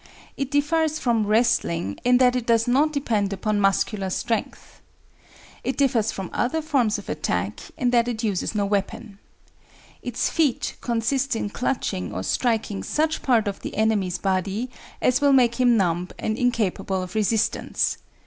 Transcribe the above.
It differs from wrestling, in that it does not depend upon muscular strength. It differs from other forms of attack in that it uses no weapon. Its feat consists in clutching or striking such part of the enemy's body as will make him numb and incapable of resistance.